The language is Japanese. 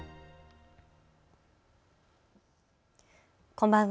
こんばんは。